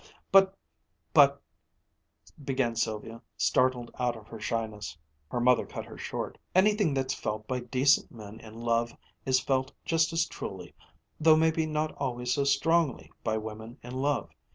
"But but " began Sylvia, startled out of her shyness. Her mother cut her short. "Anything that's felt by decent men in love is felt just as truly, though maybe not always so strongly, by women in love.